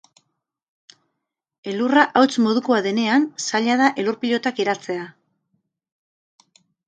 Elurra hauts modukoa denean, zaila da elur-pilotak eratzea.